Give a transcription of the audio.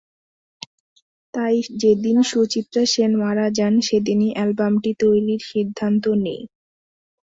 তাই যেদিন সুচিত্রা সেন মারা যান, সেদিনই অ্যালবামটি তৈরির সিদ্ধান্ত নিই।